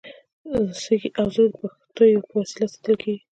سږي او زړه د پښتیو په وسیله ساتل کېږي.